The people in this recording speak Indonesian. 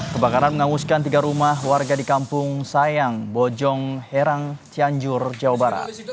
kebakaran menghanguskan tiga rumah warga di kampung sayang bojong herang cianjur jawa barat